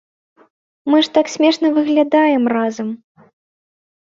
Мы ж так смешна выглядаем разам!